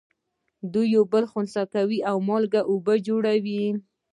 دوی یو بل خنثی کوي او مالګه او اوبه جوړوي.